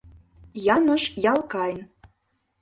Яныш Ялкайн».